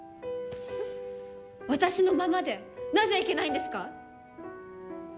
私のままでなぜ、いけないんですか？